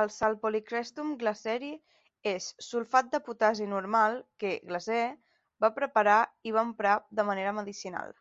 El "sal polychrestum Glaseri" és sulfat de potassi normal que Glaser va preparar i va emprar de manera medicinal.